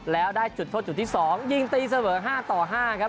แล้วได้จุดโทษจุดที่๒ยิงตีเสมอ๕ต่อ๕ครับ